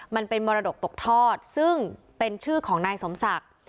มันเป็นมรดกตกทอดซึ่งเป็นชื่อของนายสมศักดิ์